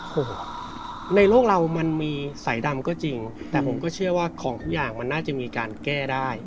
โอ้โหในโลกเรามันมีสายดำก็จริงแต่ผมก็เชื่อว่าของทุกอย่างมันน่าจะมีการแก้ได้